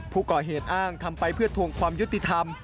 ผู้ก่อเหตุอ้างทำไปเพื่อทวงความยุติธรรม